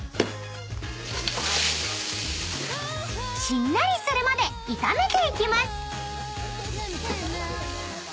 ［しんなりするまで炒めていきます］